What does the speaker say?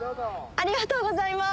ありがとうございます。